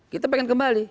kita pengen kembali